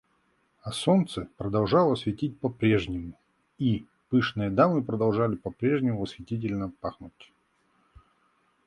А солнце продолжало светить по-прежнему, и пышные дамы продолжали по-прежнему восхитительно пахнуть.